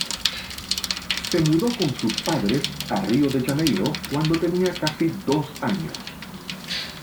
Se mudó con sus padres a Río de Janeiro cuando tenía casi dos años.